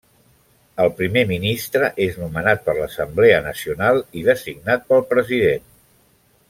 El primer ministre és nomenat per l'Assemblea Nacional i designat pel president.